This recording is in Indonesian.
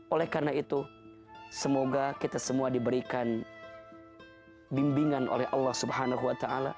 oleh karena itu semoga kita semua diberikan bimbingan oleh allah swt